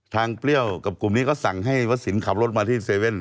เปรี้ยวกับกลุ่มนี้ก็สั่งให้วัดสินขับรถมาที่๗๑๑